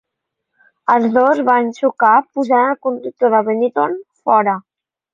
Els dos van xocar, posant el conductor de Benetton fora.